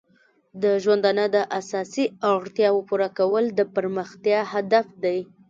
د ژوندانه د اساسي اړتیاو پوره کول د پرمختیا هدف دی.